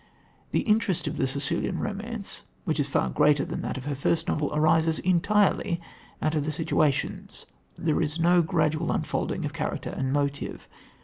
The interest of the Sicilian Romance, which is far greater than that of her first novel, arises entirely out of the situations. There is no gradual unfolding of character and motive.